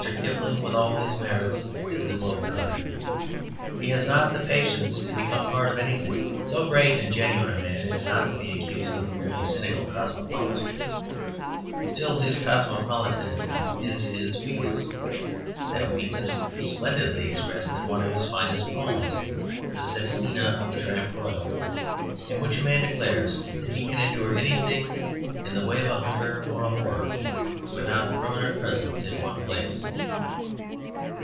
Kipling, with all his merits, is the globe trotter; he has not the patience to become part of anything. So great and genuine a man is not to be accused of a merely cynical cosmopolitanism; still, his cosmopolitanism is his weakness. That weakness is splendidly expressed in one of his finest poems, "The Sestina of the Tramp Royal," in which a man declares that he can endure anything in the way of hunger or horror, but not permanent presence in one place.